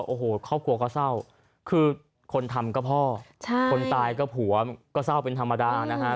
โอ้โหครอบครัวก็เศร้าคือคนทำก็พ่อคนตายก็ผัวก็เศร้าเป็นธรรมดานะฮะ